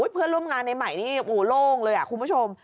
เพื่อนร่วมงานในใหม่นี่โล่งเลยคุณผู้ชม